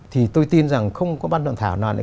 thì tôi tin rằng không có ban soạn thảo nào